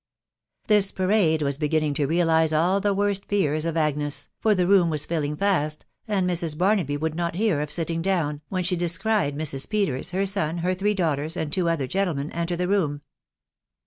This parade was beginning to realise all the worst fears of 'Agnes (for the room was filling fast, and Mrs. Barnaby would not hear of sitting down), when she descried Mrs. Peters, her son, her three daughters, and two other gentlemen, enter the room.